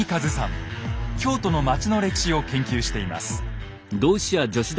京都の街の歴史を研究しています。